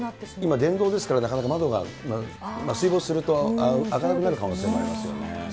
今、電動ですから、なかなか窓が、水没すると開かなくなる可能性もありますよね。